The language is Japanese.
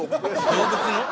動物の？